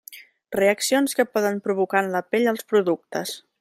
Reaccions que poden provocar en la pell els productes.